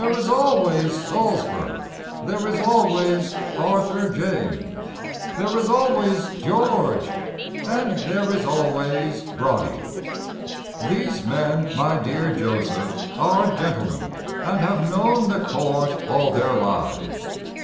There is always Salisbury, There is always Arthur James, There is always George, And there is always Broddy: These men, my dear Joseph, are gentlemen, And have known the Court all their lives.